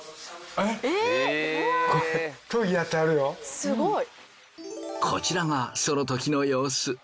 すごい！こちらがそのときのようす。